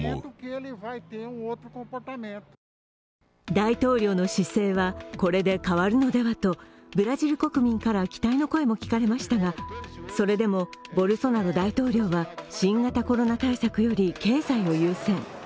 大統領の姿勢はこれで変わるのではとブラジル国民からは期待の声も聞かれましたが、それでもボルソナロ大統領は新型コロナ対策より経済を優先。